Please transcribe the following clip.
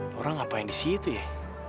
laura ngapain disitu ya